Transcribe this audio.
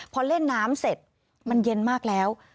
พอเล่นน้ำเสร็จมันเย็นมากแล้ว